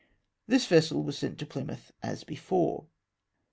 This vessel was sent to Plymouth as before.